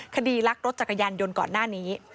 คดีลักรถจักรยานยนต์ก่อนหน้านี้